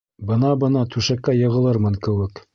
Бына-бына түшәккә йығылырмын кеүек.